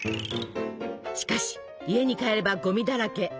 しかし家に帰ればゴミだらけ。